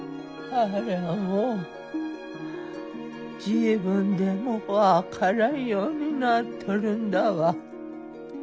あれはもう自分でも分からんようになっとるんだわ。